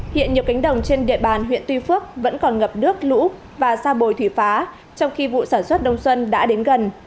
hiện nhiều cánh đồng trên địa bàn huyện tuy phước vẫn còn ngập nước lũ và ra bồi thủy phá trong khi vụ sản xuất đông xuân đã đến gần